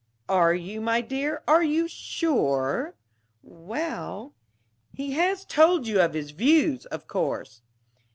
"Are you, my dear? Are you sure?" "Well " "He has told you his views, of course?"